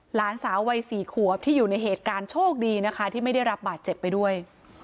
หลานสาววัย๔ขวบที่อยู่ในเหตุการณ์โชคดีนะคะที่ไม่ได้รับบาดเจ็บไปด้วย